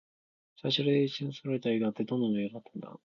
世界で一番最初に作られた映画って、どんな内容だったんだろう。